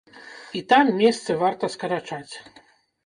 І там месцы варта скарачаць.